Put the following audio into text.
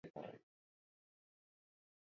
Ez zen talde bizkaitarraren eguna.